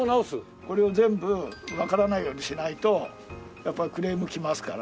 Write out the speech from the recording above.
これを全部わからないようにしないとやっぱクレーム来ますから。